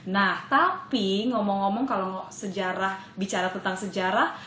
nah tapi ngomong ngomong kalau bicara tentang sejarah